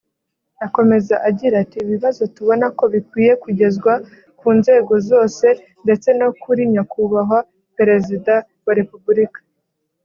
Akomeza agira ati” Ibibazo tubona ko bikwiye kugezwa ku nzego zose ndetse no kuri Nyakubahwa Perezida wa Repubulika